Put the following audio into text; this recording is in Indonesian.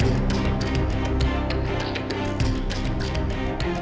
tidak ada yang bisa dikira